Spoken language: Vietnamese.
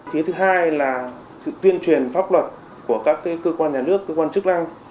phía thứ hai là sự tuyên truyền pháp luật của các cơ quan nhà nước cơ quan chức năng